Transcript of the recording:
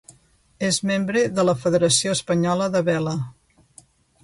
És membre de la Federació Espanyola de Vela.